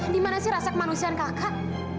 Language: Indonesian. gimana sih rasa kemanusiaan kakak